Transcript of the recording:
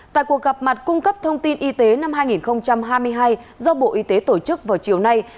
tại cuộc gặp mặt cung cấp thông tin y tế năm hai nghìn hai mươi hai do bộ y tế tổ chức vào chiều nay